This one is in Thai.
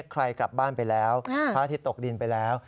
ใครกลับบ้านไปแล้วพระอาทิตย์ตกดินไปแล้ว